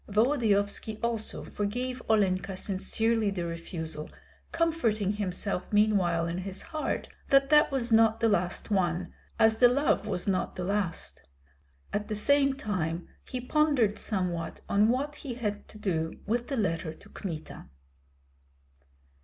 Volodyovski also forgave Olenka sincerely the refusal, comforting himself meanwhile in his heart that that was not the last one, as the love was not the last. At the same time he pondered somewhat on what he had to do with the letter to Kmita.